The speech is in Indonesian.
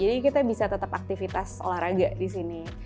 jadi kita bisa tetap aktivitas olahraga di sini